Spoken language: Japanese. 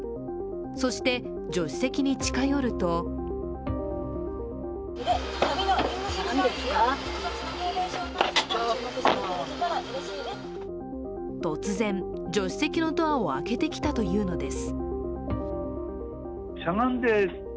そして助手席に近寄ると突然、助手席のドアを開けてきたというのです。